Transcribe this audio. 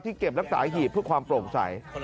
ที่เก็บรักษาอีกทีเพื่อความโปร่งใส